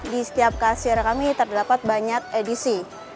di setiap kasir kami terdapat banyak edisi